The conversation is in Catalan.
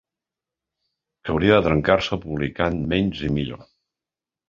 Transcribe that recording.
Que hauria de trencar-se publicant menys i millor.